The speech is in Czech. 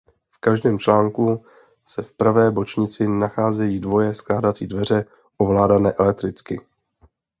V každém článku se v pravé bočnici nacházejí dvoje skládací dveře ovládané elektricky.